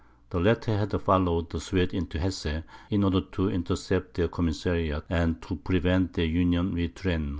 The latter had followed the Swedes into Hesse, in order to intercept their commissariat, and to prevent their union with Turenne.